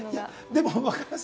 でも分かります。